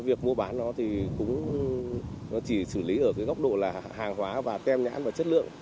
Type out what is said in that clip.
và việc mua bán nó chỉ xử lý ở góc độ hàng hóa tem nhãn và chất lượng